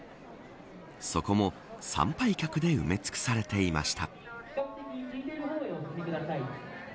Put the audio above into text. そこも参拝客で埋め尽くされていました。